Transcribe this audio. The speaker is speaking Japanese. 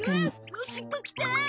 おしっこきた！